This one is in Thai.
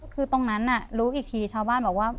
คือตรงนั้นรู้อีกทีชาวบ้านบอกว่า